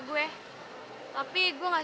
udah biarin aja